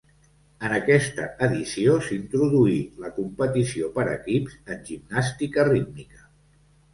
En aquesta edició s'introduí la competició per equips en gimnàstica rítmica.